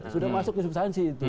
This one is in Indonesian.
sudah masuk ke substansi